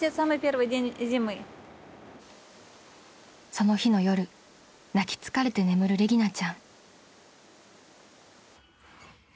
［その日の夜泣き疲れて眠るレギナちゃん］